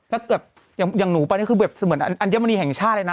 ถ้าเกิดอย่างหนูไปนี่คือแบบเหมือนอัญมณีแห่งชาติเลยนะ